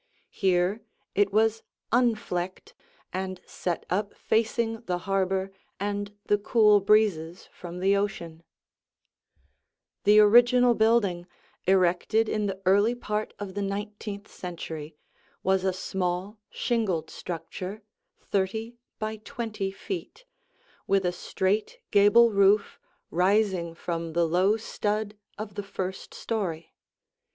Here it was "unflecked" and set up facing the harbor and the cool breezes from the ocean. [Illustration: AN OLD CAPE COD HOUSE SIDE VIEW] The original building, erected in the early part of the nineteenth century, was a small, shingled structure, thirty by twenty feet, with a straight gable roof rising from the low stud of the first story.